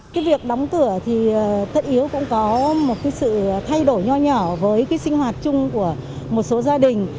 cái việc đóng cửa thì tất yếu cũng có một cái sự thay đổi nhỏ nhỏ với cái sinh hoạt chung của một số gia đình